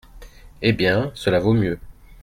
Eh bien ! cela vaut mieux.